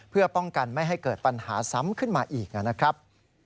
เพื่อป้องกันไม่ให้เกิดปัญหาซ้ำขึ้นมาอีกนะครับ